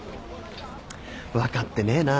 分かってねえな。